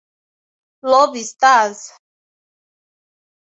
Lobi Stars